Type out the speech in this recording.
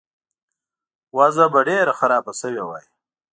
وضع به ډېره خرابه شوې وای.